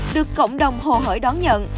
được cộng đồng hồ hởi đón nhận